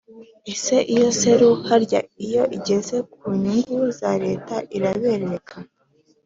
Ese iyo seru harya iyo igeze ku nyungu za Leta iraberereka